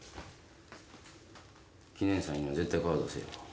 記念祭には絶対顔出せよ。